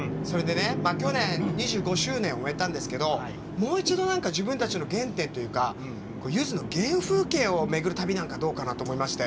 去年２５周年を終えたんですけどもう一度自分たちの原点というか、ゆずの原風景を巡る旅なんかどうかなと思いまして。